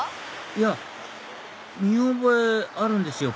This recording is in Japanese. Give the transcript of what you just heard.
いや見覚えあるんですよ